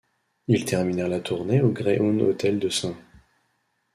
Ils terminèrent la tournée au Greyhound Hotel de St.